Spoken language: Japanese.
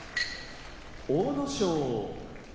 阿武咲